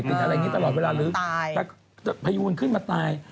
ติดอะไรอย่างนี้ตลอดเวลาหรือพยูนขึ้นมาตาย